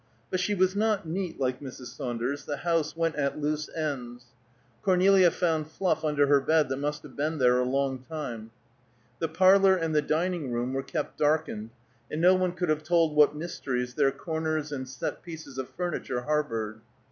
But she was not neat, like Mrs. Saunders; the house went at loose ends. Cornelia found fluff under her bed that must have been there a long time. The parlor and the dining room were kept darkened, and no one could have told what mysteries their corners and set pieces of furniture harbored.